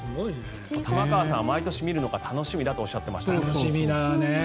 玉川さんは毎年見るのが楽しみだとおっしゃっていました。